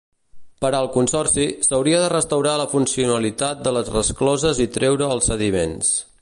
Per al Consorci, s'hauria de restaurar la funcionalitat de les rescloses i treure els sediments.